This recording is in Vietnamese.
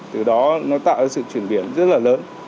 từ đó nó tạo ra sự chuyển biến rất là lớn